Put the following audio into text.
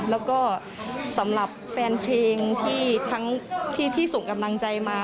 แล้วก็สำหรับแฟนเพลงที่ทั้งที่ส่งกำลังใจมา